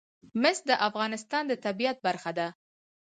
مس د افغانستان د طبیعت برخه ده.